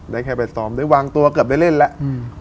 ได้วางตัวเกือบได้เล่นแล้ว